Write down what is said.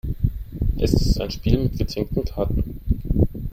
Es ist ein Spiel mit gezinkten Karten.